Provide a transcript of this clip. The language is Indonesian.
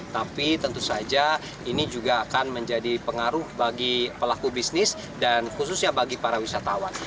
tapi tentu saja ini juga akan menjadi pengaruh bagi pelaku bisnis dan khususnya bagi para wisatawan